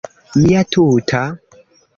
Mia tuta...